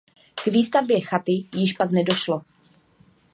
K výstavbě chaty již pak nedošlo.